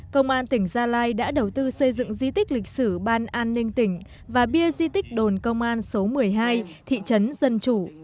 công an tỉnh gia lai đã đầu tư xây dựng di tích lịch sử ban an ninh tỉnh và bia di tích đồn công an số một mươi hai thị trấn dân chủ